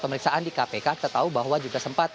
pemeriksaan di kpk kita tahu bahwa juga sempat